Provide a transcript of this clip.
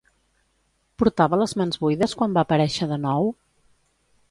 Portava les mans buides quan va aparèixer de nou?